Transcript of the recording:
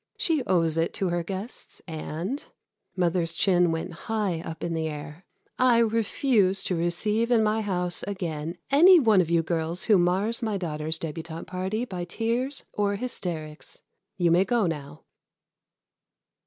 She owes it to her guests; and" mother's chin went high up in the air "I refuse to receive in my house again any one of you girls who mars my daughter's débutante party by tears or hysterics. You may go now."